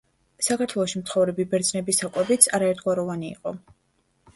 საქართველოში მცხოვრები ბერძნების საკვებიც არაერთგვაროვანი იყო.